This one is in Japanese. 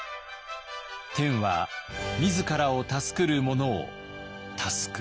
「天は自らを助くる者を助く」。